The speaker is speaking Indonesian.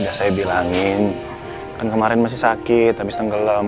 udah saya bilangin kan kemarin masih sakit habis tenggelam